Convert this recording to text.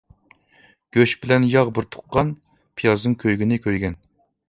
گۆش بىلەن ياغ بىر تۇغقان، پىيازنىڭ كۆيگىنى كۆيگەن.